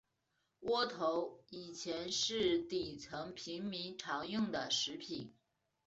窝头以前是底层平民常用的食品。